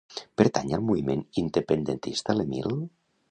Pertany al moviment independentista l'Emil?